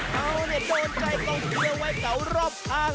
เท่านั้นโทษใจต้องเกลือไว้กล่าวรอปปอ่